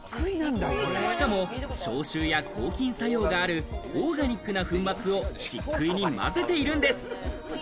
しかも消臭や抗菌作用があるオーガニックな粉末を、しっくいに混ぜているんです。